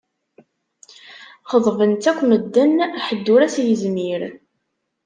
Xeḍben-tt akk medden, ḥedd ur as-yezmir.